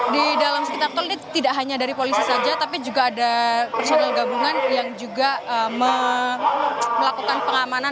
di dalam sekitar tol ini tidak hanya dari polisi saja tapi juga ada personel gabungan yang juga melakukan pengamanan